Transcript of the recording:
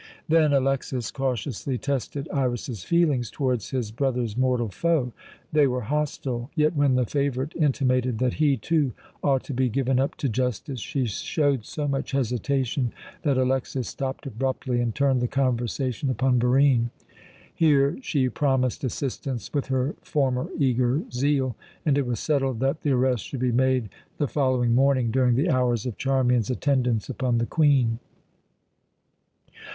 Then Alexas cautiously tested Iras's feelings towards his brother's mortal foe. They were hostile; yet when the favourite intimated that he, too, ought to be given up to justice, she showed so much hesitation, that Alexas stopped abruptly and turned the conversation upon Barine. Here she promised assistance with her former eager zeal, and it was settled that the arrest should be made the following morning during the hours of Charmian's attendance upon the Queen.